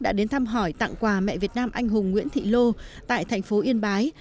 đã đến thăm hỏi tặng quà mẹ việt nam anh hùng nguyễn thị lô tại thành phố yên bái